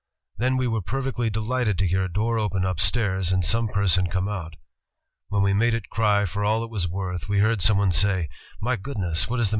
Then we were perfectly delighted to hear a door open upstairs and some person come out. When we made it cry for all it was worth, we heard someone say, ' My goodness I What is the matter with the baby?'